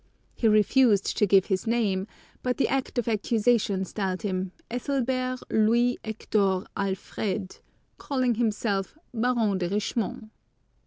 He refused to give his name, but the act of accusation styled him Ethelbert Louis Hector Alfred, calling himself "Baron de Richemont."